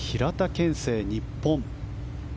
憲聖、日本。